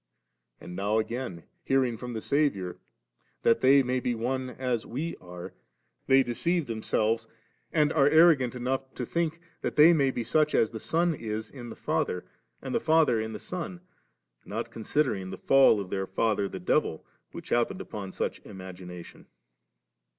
And now again hearing from the Saviour, ^that they may be one as We arc •,' they deceive them selves, and are arrogant enough to think that they may be such as the Son is in the Father and the Father in the Son ; not considering the fall of their 'father the devil >,' which happened upon such an imagination.